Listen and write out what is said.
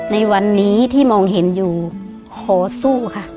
ในวันนี้ที่มองเห็นอยู่ขอสู้ค่ะ